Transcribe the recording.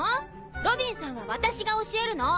ロビンさんは私が教えるの。